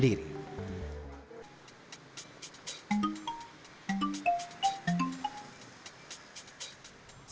dan juga melakukan ruatan sendiri